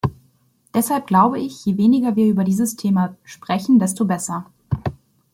Deshalb glaube ich, je weniger wir über dieses Thema sprechen, desto besser.